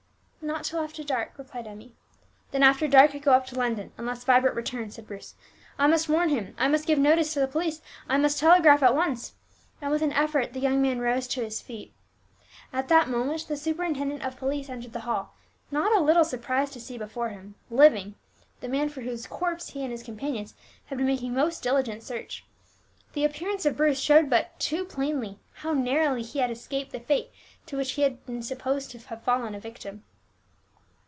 "Not till after dark," replied Emmie. "Then after dark I go up to London, unless Vibert return," said Bruce. "I must warn him I must give notice to the police I must telegraph at once," and with an effort the young man rose to his feet. At that moment the superintendent of police entered the hall, not a little surprised to see before him, living, the man for whose corpse he and his companions had been making most diligent search. The appearance of Bruce showed but too plainly how narrowly he had escaped the fate to which he had been supposed to have fallen a victim.